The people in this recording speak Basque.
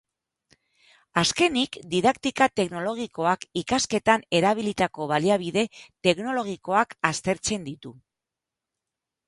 Azkenik, didaktika teknologikoak ikasketan erabilitako baliabide teknologikoak aztertzen ditu.